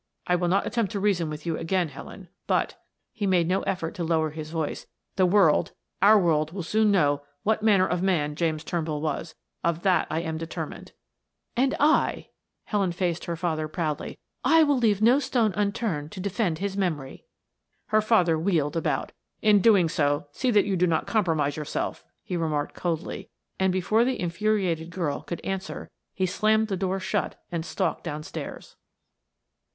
"I will not attempt to reason with you again, Helen, but" he made no effort to lower his voice, "the world our world will soon know what manner of man James Turnbull was, of that I am determined." "And I" Helen faced her father proudly "I will leave no stone unturned to defend his memory." Her father wheeled about. "In doing so, see that you do not compromise yourself," he remarked coldly, and before the infuriated girl could answer, he slammed the door shut and stalked downstairs.